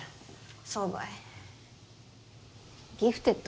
そうばいギフテッド？